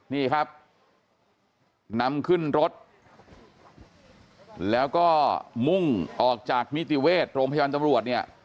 นี่ครับนำขึ้นรถแล้วก็มุ่งออกจากนิติเวชโรงพยาบาลตำรวจเนี่ย